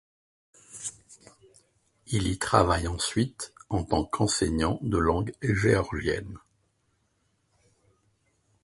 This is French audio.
Il y travaille ensuite en tant qu'enseignant de langue géorgienne.